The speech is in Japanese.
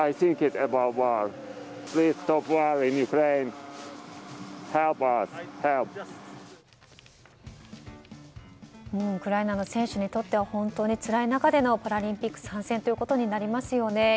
ウクライナの選手にとっては本当につらい中でのパラリンピック参戦ということになりますよね。